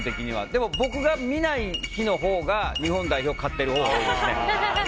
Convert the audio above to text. でも僕が見ない日のほうが日本代表が勝っているほうが多いですね。